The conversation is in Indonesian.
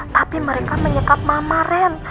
tapi mereka menyekap mama ren